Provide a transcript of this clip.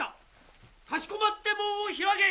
かしこまって門を開け！